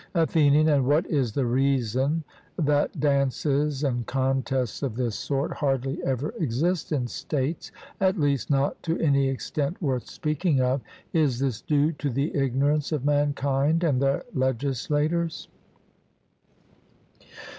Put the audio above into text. ATHENIAN: And what is the reason that dances and contests of this sort hardly ever exist in states, at least not to any extent worth speaking of? Is this due to the ignorance of mankind and their legislators?